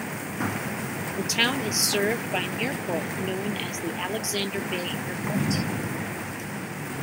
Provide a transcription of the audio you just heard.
The town is served by an airport known as the Alexander Bay Airport.